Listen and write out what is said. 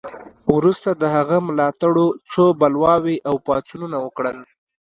وروسته د هغه ملاتړو څو بلواوې او پاڅونونه وکړل.